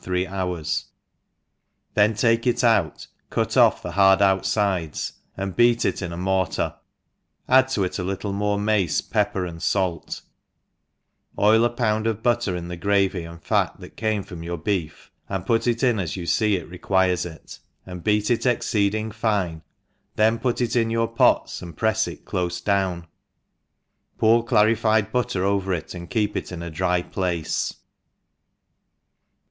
three hours, then take it out, cut off the hard out fides^ and beat it in a mortar; add to it a lit tle naore mace, pepper and fait: oil a pound of butter in the gravy and fat that came from your beef, and put it in as you ice it requires it, and beat it exceeding fine, then put it into your pots, and prefs it clofe dow^n; pour clarified butter oyer it, and keep it in a dry plac^.